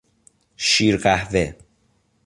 شیر قهوه